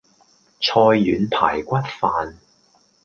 菜遠排骨飯